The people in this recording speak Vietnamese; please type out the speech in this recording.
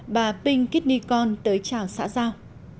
bà pinky nikon tới trào xã giao